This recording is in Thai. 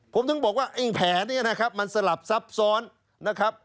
ผมถึงบอกว่าไอ้แผลเนี่ยนะครับมันสลับซับซ้อนนะครับ